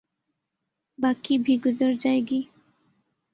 باقی بھی گزر جائے گی۔